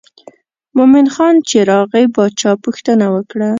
مومن خان چې راغی باچا پوښتنه وکړه.